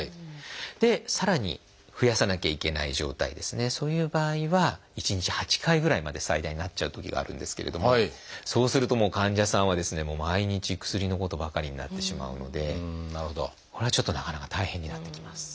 でさらに増やさなきゃいけない状態ですねそういう場合は１日８回ぐらいまで最大なっちゃうときがあるんですけれどもそうするともう患者さんはですね毎日薬のことばかりになってしまうのでこれはちょっとなかなか大変になってきます。